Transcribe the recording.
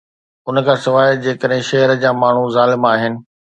ان کان سواء، جيڪڏهن شهر جا ماڻهو ظالم آهن.